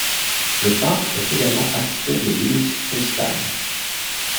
Le peintre est également assisté de Luis Tristán.